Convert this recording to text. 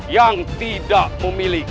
yang tidak memilihkan